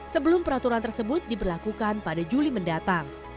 sebelum peraturan tersebut diberlakukan pada juli mendatang